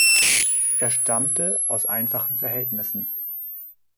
Er stammte aus einfachen Verhältnissen.